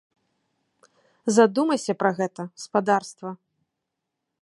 Задумайся пра гэта, спадарства.